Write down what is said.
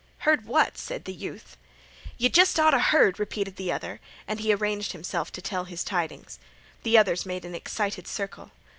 "Heard what?" said the youth. "Yeh jest oughta heard!" repeated the other, and he arranged himself to tell his tidings. The others made an excited circle.